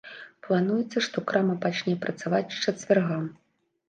Плануецца, што крама пачне працаваць з чацвярга.